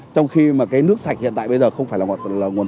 trong khi mà cái nước sạch hiện tại bây giờ không phải là nguồn tài nguyên nước